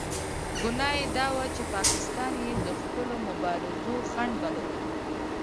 ګناه یې دا وه چې پاکستان یې د خپلو مبارزو خنډ بللو.